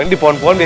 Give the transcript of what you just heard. oh ini kuntilanak